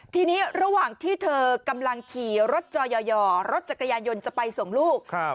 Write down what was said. ทีนี้ระหว่างที่เธอกำลังขี่รถจอย่อรถจักรยานยนต์จะไปส่งลูก